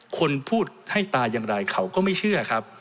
คนพูดให้ตายอย่างไรเขาก็ไม่เชื่อครับ